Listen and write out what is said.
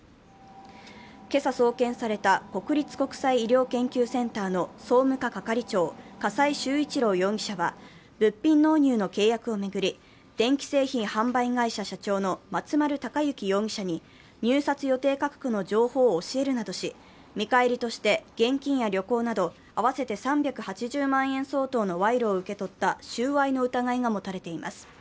今朝送検された国立国際医療研究センターの総務課係長、笠井崇一郎容疑者は物品納入の契約を巡り、電気製品販売会社社長の松丸隆行容疑者に入札予定価格の情報を教えるなどし、見返りとして現金や旅行など合わせて３８０万円相当の賄賂を受け取った収賄の疑いが持たれています。